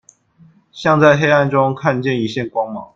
像在黑暗中看見一線光芒